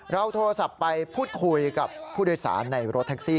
เราโทรศัพท์ไปพูดคุยกับผู้โดยสารในรถแท็กซี่